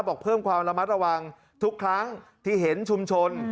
บอกเพิ่มความระมัดระวังทุกครั้งที่เห็นชุมชน